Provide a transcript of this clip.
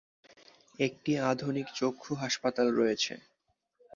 একটি আধুনিক চক্ষু হাসপাতাল রয়েছে।